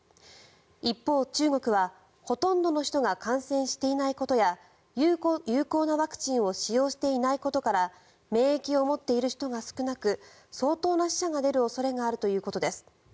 一方、中国は、ほとんどの人が感染していないことや有効なワクチンを使用していないことから免疫を持っている人が少なく相当な死者が出る恐れがあるということです。